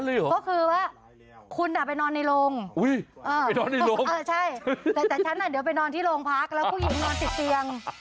เหรอก็คือว่าคุณไปนอนในโรงใช่แต่ฉันเดี๋ยวไปนอนที่โรงพักแล้วผู้หญิงนอนติดเตียง